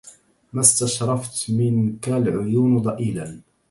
ما استشرفت منك العيون ضئيلا